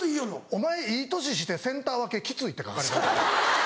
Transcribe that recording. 「お前いい年してセンター分けきつい」って書かれたり。